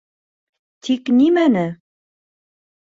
Тик нимәне?